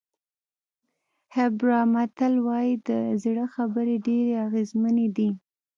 هېبرا متل وایي د زړه خبرې ډېرې اغېزمنې دي.